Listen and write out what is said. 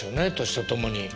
年とともに。